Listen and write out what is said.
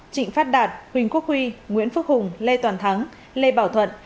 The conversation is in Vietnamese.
trịnh phát đạt huỳnh quốc huy nguyễn phúc hùng lê toàn thắng lê bảo thuận